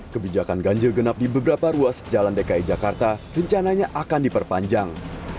kebijakan ganjil genap di beberapa ruas jalan dki jakarta rencananya akan diperpanjang